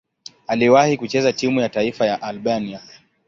Aliwahi kucheza timu ya taifa ya Albania.